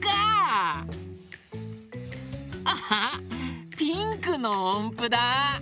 アハッピンクのおんぷだ！